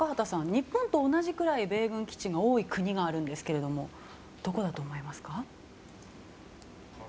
日本と同じくらい米軍基地が多い国があるんですがどこだと思いますか？